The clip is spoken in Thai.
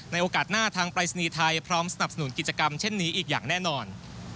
โอกาสหน้าทางปรายศนีย์ไทยพร้อมสนับสนุนกิจกรรมเช่นนี้อีกอย่างแน่นอน